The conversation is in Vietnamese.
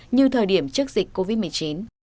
như thời điểm trước dịch covid một mươi chín